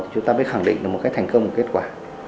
chúng ta mới khẳng định là một cái thành công kết quả